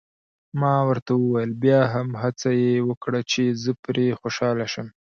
ما ورته وویل: بیا هم هڅه یې وکړه، چې زه پرې خوشحاله شم.